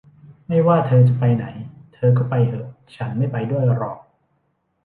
ไม่ว่าเธอจะไปไหน เธอก็ไปเหอะ ฉันไม่ไปด้วยหรอก